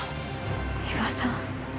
伊庭さん。